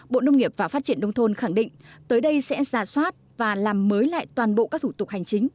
bộ nông nghiệp và phát triển đông thôn khẳng định tới đây sẽ ra soát và làm mới lại toàn bộ các thủ tục hành chính